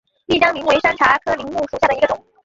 丽江柃为山茶科柃木属下的一个种。